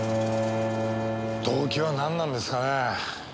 動機はなんなんですかねえ？